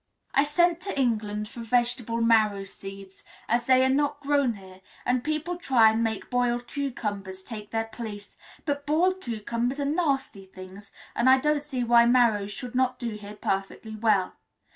I sent to England for vegetable marrow seeds, as they are not grown here, and people try and make boiled cucumbers take their place; but boiled cucumbers are nasty things, and I don't see why marrows should not do here perfectly well.